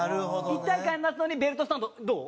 一体感出すのにベルトスタンドどう？